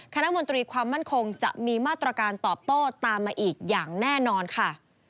มนตรีความมั่นคงจะมีมาตรการตอบโต้ตามมาอีกอย่างแน่นอนค่ะ